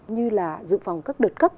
như là dự phòng các đợt cấp